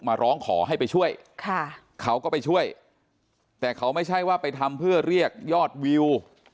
มาร้องขอให้ไปช่วยค่ะเขาก็ไปช่วยแต่เขาไม่ใช่ว่าไปทำเพื่อเรียกยอดวิว